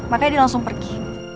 makanya dia langsung pergi